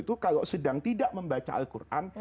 itu kalau sedang tidak membaca al quran